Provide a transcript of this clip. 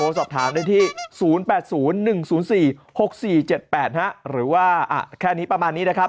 สอบถามได้ที่๐๘๐๑๐๑๐๔๖๔๗๘หรือว่าแค่นี้ประมาณนี้นะครับ